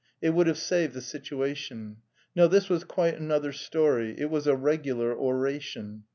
It would have saved the situation. No, this was quite another story! It was a regular oration!